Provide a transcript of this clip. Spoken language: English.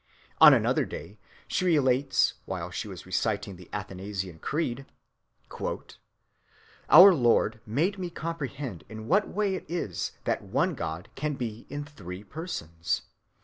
On another day, she relates, while she was reciting the Athanasian Creed,— "Our Lord made me comprehend in what way it is that one God can be in three Persons.